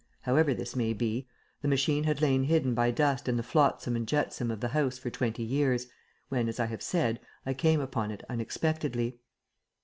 However this may be, the machine had lain hidden by dust and the flotsam and jetsam of the house for twenty years, when, as I have said, I came upon it unexpectedly.